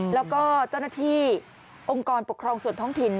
แล้วก็เจ้าหน้าที่องค์กรปกครองส่วนท้องถิ่น